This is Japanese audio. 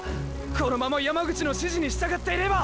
このまま山口の指示に従っていれば。